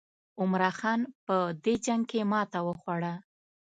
عمرا خان په دې جنګ کې ماته وخوړه.